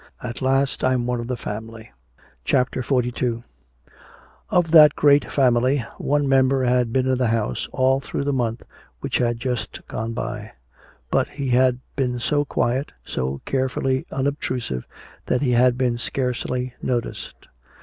At last I'm one of the family." CHAPTER XLII Of that greater family, one member had been in the house all through the month which had just gone by. But he had been so quiet, so carefully unobtrusive, that he had been scarcely noticed.